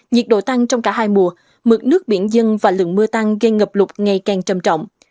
nhiệt độ tăng trong cả hai mùa mực nước biển dân và lượng mưa tăng gây ngập lụt ngày càng trầm trọng